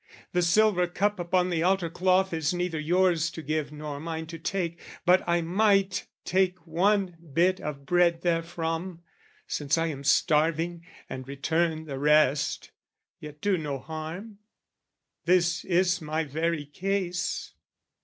"The silver cup upon the altar cloth "Is neither yours to give nor mine to take; "But I might take one bit of bread therefrom, "Since I am starving, and return the rest, "Yet do no harm: this is my very case.